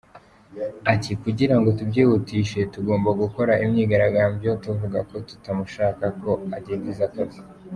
Ati kugirango tubyihutishe tugomba gukora imyigaragambyo tuvuga ko tutamushaka ko adindiza akazi.